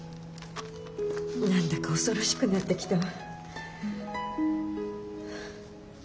何だか恐ろしくなってきたわ。